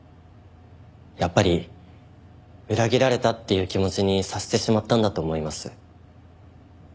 やっぱり裏切られたっていう気持ちにさせてしまったんだと思います。